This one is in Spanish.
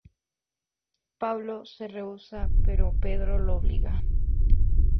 Pablo se rehúsa pero Pedro lo obliga.